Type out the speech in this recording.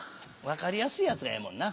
分かりやすいやつがええもんな。